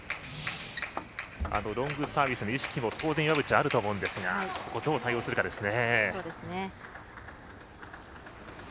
ロングサービスの意識も当然、岩渕はあると思うんですがどう対応するかですね。